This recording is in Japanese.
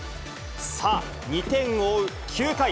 さあ、２点を追う９回。